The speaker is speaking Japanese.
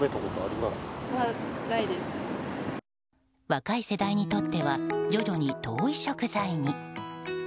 若い世代にとっては徐々に遠い食材に。